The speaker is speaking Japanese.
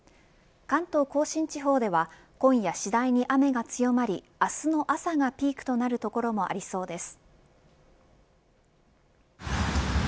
関東甲信地方では今夜、次第に雨が強まり明日の朝がピークとなる所もありそうです。